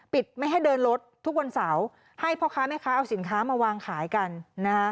ไม่ให้เดินรถทุกวันเสาร์ให้พ่อค้าแม่ค้าเอาสินค้ามาวางขายกันนะฮะ